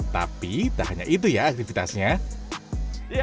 tapi tak hanya itu ya aktivitasnya